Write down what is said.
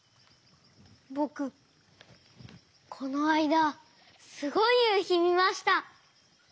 ぼくこのあいだすごいゆうひみました！